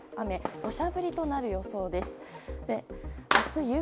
土砂降りとなる予想です。